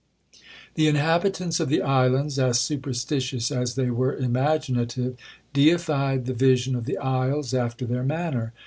'The inhabitants of the islands, as superstitious as they were imaginative, deified the vision of the isles after their manner.